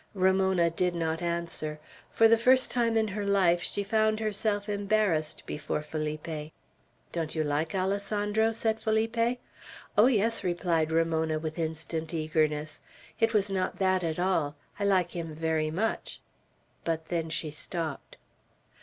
Ramona did not answer. For the first time in her life she found herself embarrassed before Felipe. "Don't you like Alessandro?" said Felipe. "Oh, yes!" replied Ramona, with instant eagerness. "It was not that at all. I like him very much;" But then she stopped.